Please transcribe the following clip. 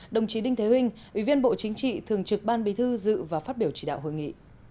đồng chí đinh thế vinh ủy viên bộ chính trị thường trực ban bí thư dự và phát biểu chỉ đạo hội nghị